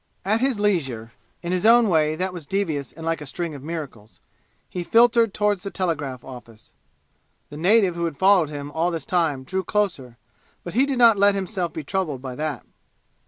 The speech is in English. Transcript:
At his leisure in his own way, that was devious and like a string of miracles he filtered toward the telegraph office. The native who had followed him all this time drew closer, but he did not let himself be troubled by that.